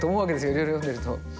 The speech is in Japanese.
いろいろ読んでると。